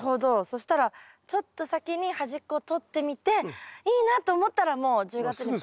そしたらちょっと先に端っこをとってみていいなと思ったらもう１０月に。